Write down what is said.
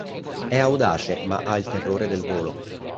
È audace, ma ha il terrore del volo.